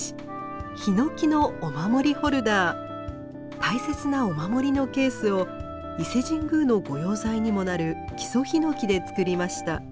大切なお守りのケースを伊勢神宮の御用材にもなる木曽ヒノキで作りました。